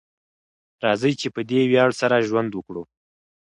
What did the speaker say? راځئ چې په دې ویاړ سره ژوند وکړو.